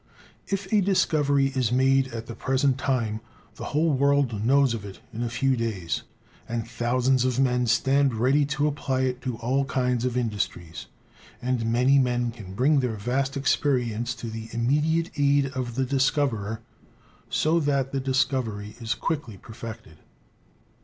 If a discovery is made at the present time the whole world knows of it in a few days, and thousands of men stand ready to apply it to all kinds of industries ; and many men can bring their vast experience to the immediate aid of the discoverer, so that the discovery is quickly perfected.